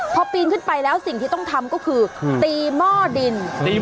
พอปีนขึ้นไปแล้วสิ่งที่ต้องทำก็คือตีหม้อดิน